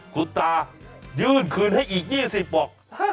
คุณตายื่นคืนให้อีก๒๐บอก